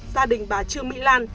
gia đình bà trương mỹ lan